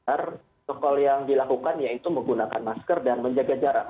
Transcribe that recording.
protokol yang dilakukan yaitu menggunakan masker dan menjaga jarak